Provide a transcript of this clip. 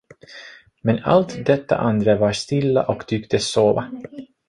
Men allt detta andra var stilla och tycktes sova.